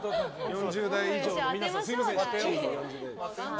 ４０代以上の皆さんすみませんでした。